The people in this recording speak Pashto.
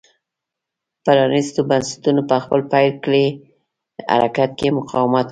پرانېستو بنسټونو په خپل پیل کړي حرکت کې مقاومت وکړ.